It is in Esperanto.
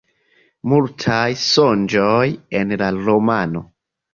Multaj sonĝoj en la romano.